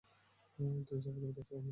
তুই যা বলবি তাই সই, সোনামণি।